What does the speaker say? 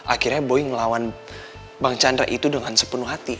akhirnya boy ngelawan bang chandra itu dengan sepenuhnya